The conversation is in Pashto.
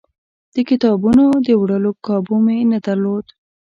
د کتابونو د وړلو کابو مې نه درلود.